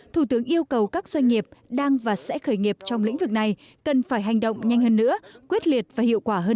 thủ tướng yêu cầu các doanh nghiệp đang và sẽ khởi nghiệp trong lĩnh vực này cần phải hành động nhanh hơn nữa quyết liệt và hiệu quả hơn